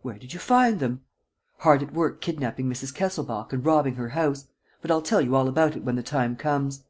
"Where did you find them?" "Hard at work kidnapping Mrs. Kesselbach and robbing her house. But I'll tell you all about it when the time comes."